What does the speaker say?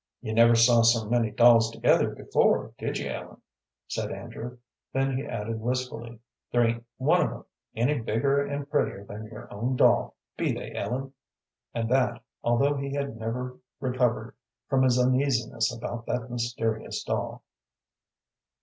"You never saw so many dolls together before, did you, Ellen?" said Andrew; then he added, wistfully, "There ain't one of 'em any bigger and prettier than your own doll, be they, Ellen?" And that, although he had never recovered from his uneasiness about that mysterious doll.